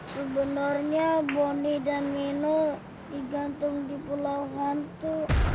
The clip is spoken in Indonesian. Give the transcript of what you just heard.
sebenarnya boni dan nino digantung di pulau hantu